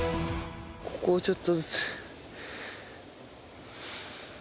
ここをちょっとずつ。